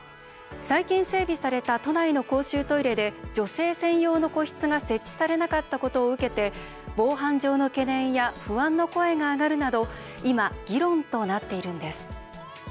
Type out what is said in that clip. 最近、整備された都内の公衆トイレで女性専用の個室が設置されなかったことを受けて防犯上の懸念や不安の声が上がるなど今、議論となっているんです。